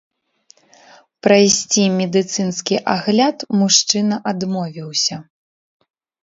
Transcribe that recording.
Прайсці медыцынскі агляд мужчына адмовіўся.